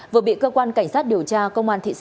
vừa bị cơ quan cảnh sát điều tra công an thạch hà